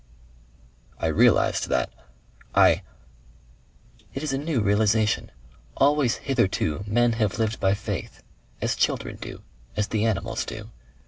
"I realized that. I " "It is a new realization. Always hitherto men have lived by faith as children do, as the animals do.